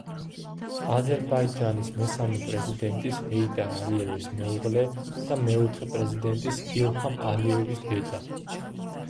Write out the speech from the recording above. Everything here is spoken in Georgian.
აზერბაიჯანის მესამე პრეზიდენტის ჰეიდარ ალიევის მეუღლე და მეოთხე პრეზიდენტის ილჰამ ალიევის დედა.